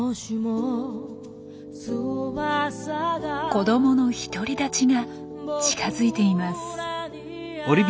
子どもの独り立ちが近づいています。